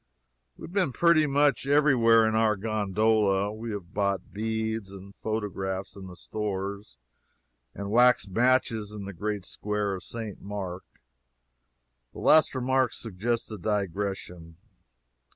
We have been pretty much every where in our gondola. We have bought beads and photographs in the stores, and wax matches in the Great Square of St. Mark. The last remark suggests a digression.